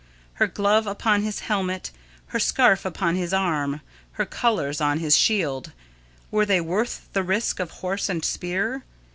Her glove upon his helmet, her scarf upon his arm, her colours on his shield were they worth the risk of horse and spear?